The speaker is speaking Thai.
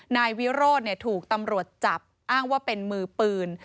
นายวิโรธถูกตำรวจจับอ้างว่าเป็นมือปืน